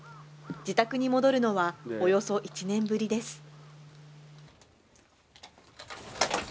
自宅に戻るのはおよそ１年ぶりです